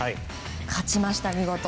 勝ちました、見事。